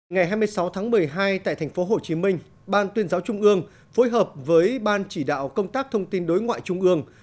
ngày hai mươi sáu tháng một mươi hai tại tp hcm ban tuyên giáo trung ương phối hợp với ban chỉ đạo công tác thông tin đối ngoại trung ương